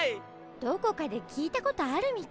どこかで聞いたことあるみたい。